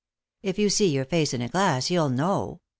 " "If you see your face in a glass you'll know.